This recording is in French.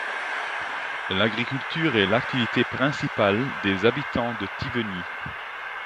L'agriculture est l'activité principale des habitants de Tivenys.